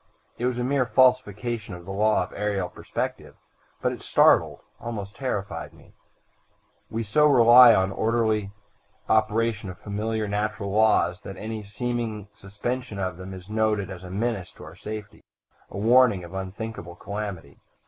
It was a mere falsification of the law of aerial perspective, but it startled, almost terrified me. We so rely upon the orderly operation of familiar natural laws that any seeming suspension of them is noted as a menace to our safety, a warning of unthinkable calamity.